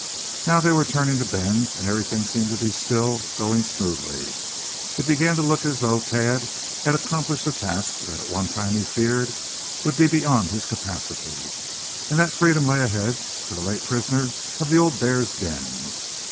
Now they were turning the bend, and everything seemed to still be going smoothly. It began to look as though Thad had accomplished a task that at one time he feared would be beyond his capacity; and that freedom lay ahead for the late prisoner of the old bear's den.